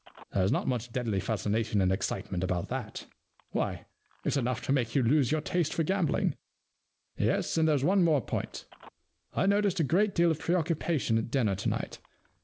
There's not much deadly fascination and excitement about that — why, it's enough to make you lose your taste for gambling. * Yes, and there's one more point. I noticed a good deal of preoccupation at dinner to night.